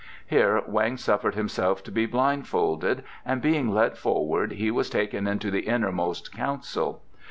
Here Weng suffered himself to be blindfolded, and being led forward he was taken into the innermost council.